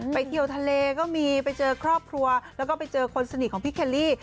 เที่ยวทะเลก็มีไปเจอครอบครัวแล้วก็ไปเจอคนสนิทของพี่เคลลี่